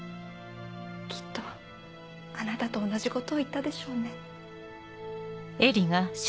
きっとあなたと同じことを言ったでしょうね。